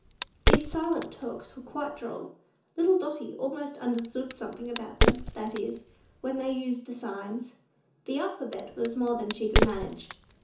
These "silent talks" were quite droll. Little Dotty almost understood something about them; that is, when they used the signs: the alphabet was more than she could manage.